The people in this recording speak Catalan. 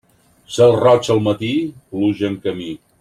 Cel roig al matí, pluja en camí.